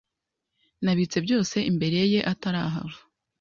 Nabitse byose imbere ye atarahava.